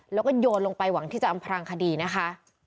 แล้วก็โยนลงไปหวังที่จะอำพรางคดีนะคะ